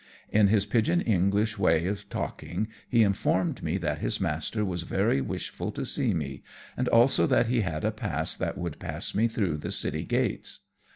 In his pigeon English way of talking he informed me that his master was very \\ishful to see me, and also that he had a pass that would pass me through the city gates.